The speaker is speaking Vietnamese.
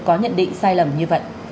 có nhận định sai lầm như vậy